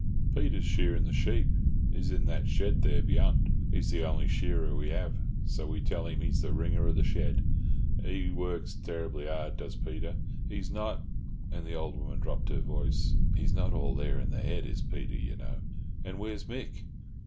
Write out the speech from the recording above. "Peter's shearin' the sheep. He's in that shed there beyant. He's the only shearer we have, so we tell him he's the ringer of the shed. He works terr'ble hard, does Peter. He's not—" and the old woman dropped her voice—"he's not all there in the head, is Peter, you know." "And where's Mick?"